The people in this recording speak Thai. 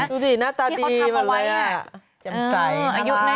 ดูสิหน้าตาดีเหมือนไรจำใจ